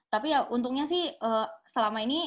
tapi ya untungnya sih selama ini